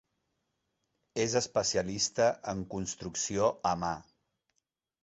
És especialista en construcció a mà.